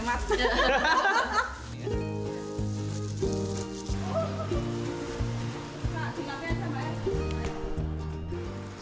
mas mbak ty can ben samain